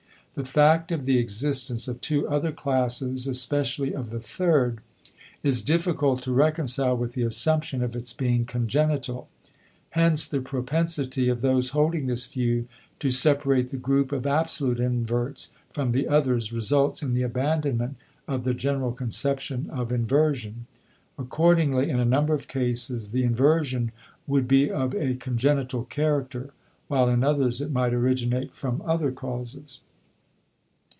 The fact of the existence of two other classes, especially of the third, is difficult to reconcile with the assumption of its being congenital. Hence, the propensity of those holding this view to separate the group of absolute inverts from the others results in the abandonment of the general conception of inversion. Accordingly in a number of cases the inversion would be of a congenital character, while in others it might originate from other causes.